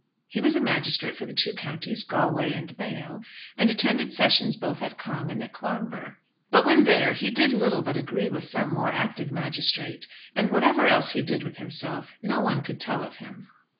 He was a magistrate for the two counties, Galway and Mayo, and attended sessions both at Cong and at Clonbur. But when there he did little but agree with some more active magistrate; and what else he did with himself no one could tell of him.